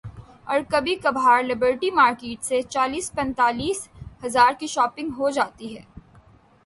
اورکبھی کبھار Liberty market سے چالیس پینتالیس ہزار کی شاپنگ ہو جاتی ہے۔